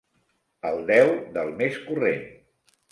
El deu del mes corrent.